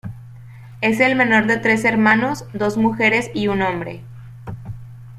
Es el menor de tres hermanos, dos mujeres y un hombre.